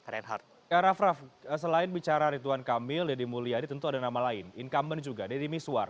raff raff selain bicara ridwan kamil deddy mulyadi tentu ada nama lain incumbent juga deddy miswar